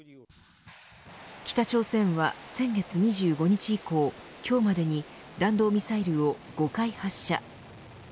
北朝鮮は先月２５日以降今日までに弾道ミサイルを５回発射。